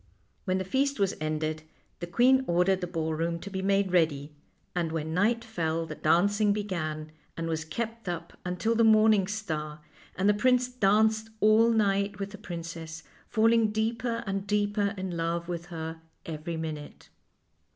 When the feast was ended the queen ordered the ballroom to be made ready, and when night fell the dancing began, and was kept up until the morning star, and the prince danced all night with the princess, falling deeper and deeper in love with her every minute.